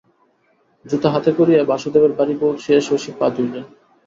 জুতা হাতে করিয়া বাসুদেবের বাড়ি পৌছিয়া শশী পা ধুইল।